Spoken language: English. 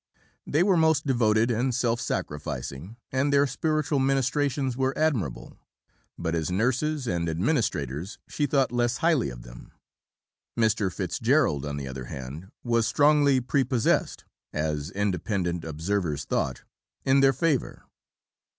They were most devoted and self sacrificing, and their spiritual ministrations were admirable, but as nurses and administrators she thought less highly of them. Mr. Fitz Gerald, on the other hand, was strongly prepossessed, as independent observers thought, in their favour.